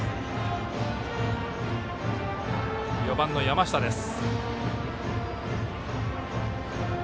４番の山下です。